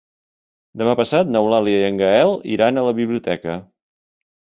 Demà passat n'Eulàlia i en Gaël iran a la biblioteca.